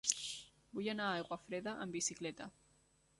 Vull anar a Aiguafreda amb bicicleta.